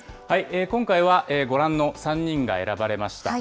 今回はご覧の３人が選ばれました。